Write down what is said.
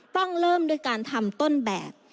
ต้องเริ่มด้วยการทำต้นแบบ